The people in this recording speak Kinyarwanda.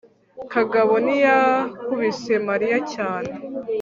kagabo ntiyakubise mariya cyane